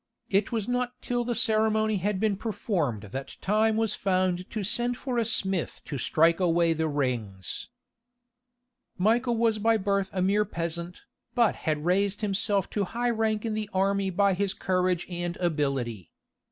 It was not till the ceremony had been performed that time was found to send for a smith to strike away the rings. Michael was by birth a mere peasant, but had raised himself to high rank in the army by his courage and ability.